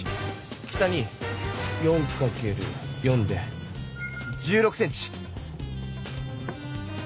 北に４かける４で１６ｃｍ。